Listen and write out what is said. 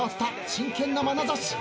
真剣なまなざし。